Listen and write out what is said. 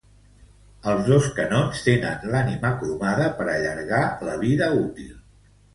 Els dos canons tenen l'ànima cromada per allargar la vida útil.